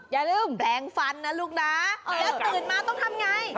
อย่าลืมแปลงฟันนะลูกนะแล้วตื่นมาต้องทำไง